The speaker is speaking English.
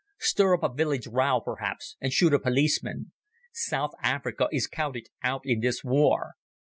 Stir up a village row, perhaps, and shoot a policeman. South Africa is counted out in this war.